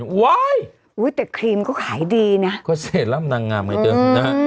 อุ๊ยแต่ครีมก็ขายดีนะฮะอืม